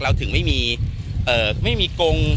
เราถึงไม่มีกง